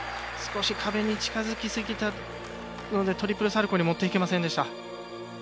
少し壁に近づきすぎたのでトリプルサルコウに持っていけませんでした。